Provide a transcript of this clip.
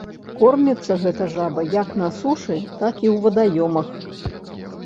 Корміцца гэта жаба як на сушы, так і ў вадаёмах.